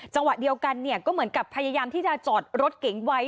จังหวะเดียวกันเนี่ยก็เหมือนกับพยายามที่จะจอดรถเก๋งไว้